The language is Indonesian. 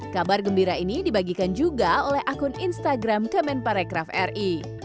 kabar gembira ini dibagikan juga oleh akun instagram kemenparekraf ri